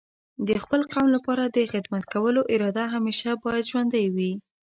د خپل قوم لپاره د خدمت کولو اراده همیشه باید ژوندۍ وي.